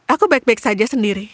aku baik baik saja sendiri